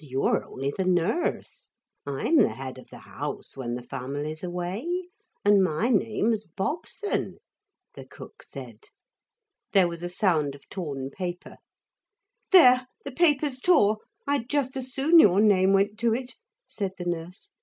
You're only the nurse I'm the head of the house when the family's away, and my name's Bobson,' the cook said. There was a sound of torn paper. 'There the paper's tore. I'd just as soon your name went to it,' said the nurse.